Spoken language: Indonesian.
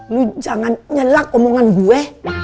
lu jangan nyelak omongan gue